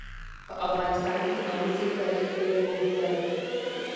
په افغانستان کې د آمو سیند تاریخ ډېر اوږد دی.